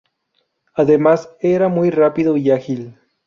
Además, era muy rápido y ágil.